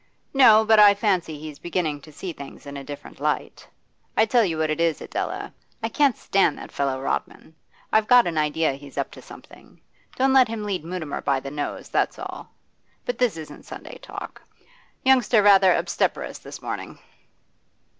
'No, but I fancy he's beginning to see things in a different light. I tell you what it is, Adela; I can't stand that fellow Rodman. I've got an idea he's up to something. Don't let him lead Mutimer by the nose, that's all. But this isn't Sunday talk. Youngster rather obstreperous this morning.